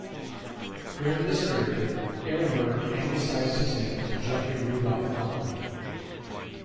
During this period, Ehrenberg anglicised his name to Geoffrey Rudolph Elton.